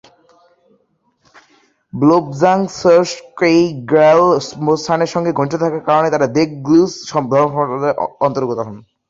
ব্লো-ব্জাং-ছোস-ক্যি-র্গ্যাল-ম্ত্শানের সঙ্গে ঘনিষ্ঠতা থাকায় তারা দ্গে-লুগ্স ধর্মসম্প্রদায়ের অন্তর্গত হন।